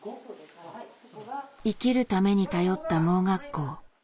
生きるために頼った盲学校。